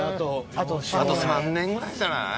あと３年ぐらいじゃない？